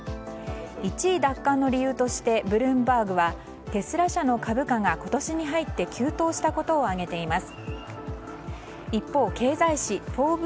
１位奪還の理由としてブルームバーグはテスラ社の株価が今年に入って急騰したことを挙げています。